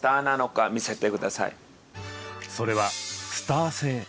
それはスター性。